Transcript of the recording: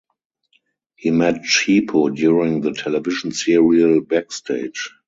He met Tshepo during the television serial "Backstage".